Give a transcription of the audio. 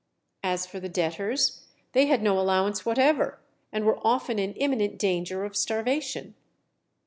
As for the debtors, they had no allowance whatever, and were often in imminent danger of starvation.